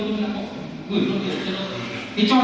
ông ấy gửi tôi tiền cho tôi